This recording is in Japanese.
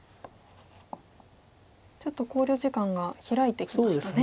ちょっと考慮時間が開いてきましたね。